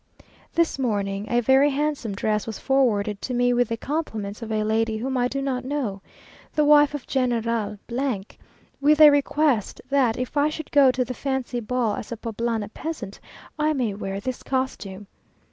This morning a very handsome dress was forwarded to me with the compliments of a lady whom I do not know, the wife of General ; with a request that, if I should go to the fancy ball as a Poblana peasant, I may wear this costume.